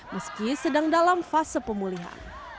meski sedang dalam fase pemulihan